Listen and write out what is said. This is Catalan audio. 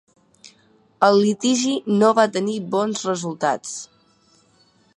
El litigi no va tenir bons resultats.